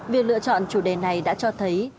việc lựa chọn chủ đề này đã cho thấy tầm vóc và y tế